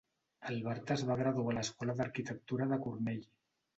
El bard es va graduar a l'Escola d'Arquitectura de Cornell.